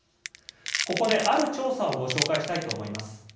ここで、ある調査をご紹介したいと思います。